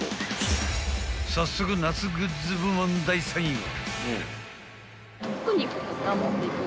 ［早速夏グッズ部門第３位は］